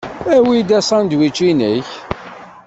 Awi-d asandwič-nnek.